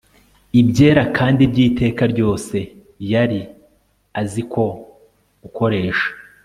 ibyera kandi byiteka ryose Yari azi ko gukoresha